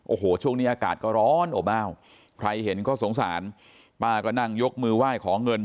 โอ้โหช่วงนี้อากาศก็ร้อนอบอ้าวใครเห็นก็สงสารป้าก็นั่งยกมือไหว้ขอเงิน